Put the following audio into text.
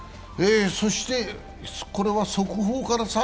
そしてこれは速報かな。